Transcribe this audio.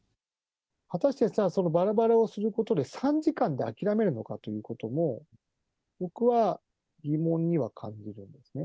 果たしてばらばらをすることで、３時間で諦めるのかということも、僕は疑問には感じるんですね。